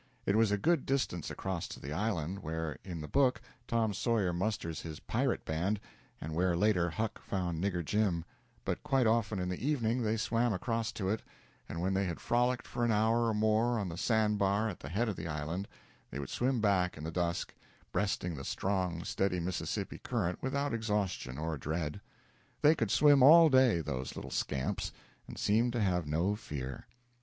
It was a good distance across to the island where, in the book, Tom Sawyer musters his pirate band, and where later Huck found Nigger Jim, but quite often in the evening they swam across to it, and when they had frolicked for an hour or more on the sandbar at the head of the island, they would swim back in the dusk, breasting the strong, steady Mississippi current without exhaustion or dread. They could swim all day, those little scamps, and seemed to have no fear.